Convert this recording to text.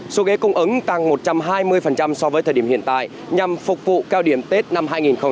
số ghế cung ứng tăng một trăm hai mươi so với thời điểm hiện tại nhằm phục vụ cao điểm tết năm hai nghìn hai mươi